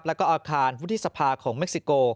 แล้วก็อาคารวุฒิสภาของเม็กซิโก